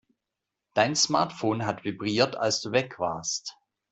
Dein Smartphone hat vibriert, als du weg warst.